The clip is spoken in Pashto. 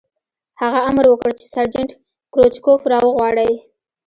هغه امر وکړ چې سرجنټ کروچکوف را وغواړئ